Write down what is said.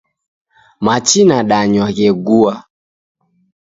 Machi nadanywa ghegua